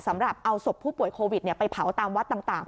สำหรับเอาศพผู้ป่วยโควิดไปเผาตามวัดต่าง